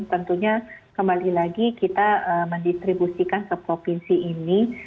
tentunya kembali lagi kita mendistribusikan ke provinsi ini